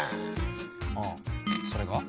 ああそれが？